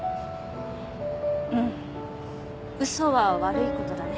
うん嘘は悪いことだね。